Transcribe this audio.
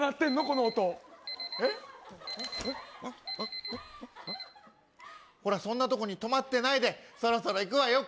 この音ほらそんなとこに止まってないでそろそろ行くわよ